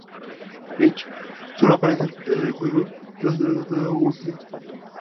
Peach solo aparece al final del juego tras derrotar a Bowser.